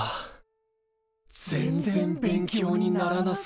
全然勉強にならなそうだ。